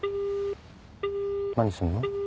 何するの？